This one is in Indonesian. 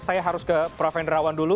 saya harus ke prof hendrawan dulu